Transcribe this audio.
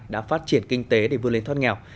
đã phát triển kinh tế để vươn lên thoát nghèo